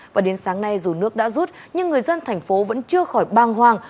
và đến sáng nay dù nước đã rút nhưng người dân thành phố vẫn chưa khỏi băng hoang